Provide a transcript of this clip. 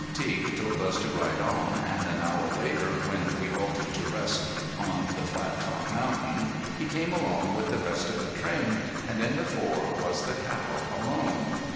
Teague told us to ride on, and an hour later when we halted to rest on the Flattop Mountain he came along with the rest of the train, and in the fore was the cow alone.